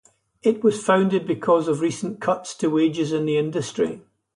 It was founded because of recent cuts to wages in the industry.